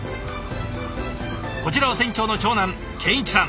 こちらは船長の長男健一さん。